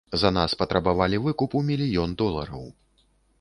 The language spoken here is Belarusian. За нас патрабавалі выкуп у мільён долараў.